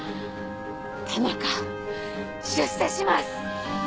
田中出世します！